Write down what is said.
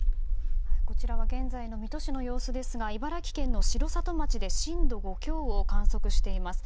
現在の水戸市の様子ですが茨城県の城里町で震度５強を観測しています。